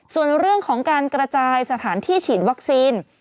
ส่วนเรื่องของการกระจายสถานที่ฉีดวัคซีน